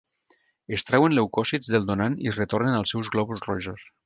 Es treuen leucòcits del donant i es retornen els seus glòbuls rojos.